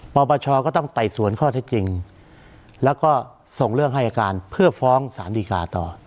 ปปชก็ต้องไต่สวนข้อเท็จจริงแล้วก็ส่งเรื่องให้อาการเพื่อฟ้องสารดีกาต่อ